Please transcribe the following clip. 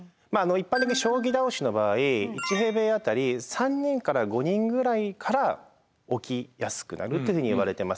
一般的に将棋倒しの場合１平米あたり３人から５人ぐらいから起きやすくなるというふうにいわれてます。